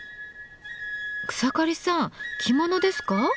草刈さん着物ですか？